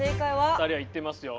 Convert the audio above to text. ２人は言っていますよ。